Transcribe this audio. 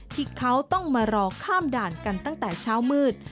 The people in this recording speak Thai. ที่เขาต้องมารอข้ามด่านกันตั้งแต่เช้ามืด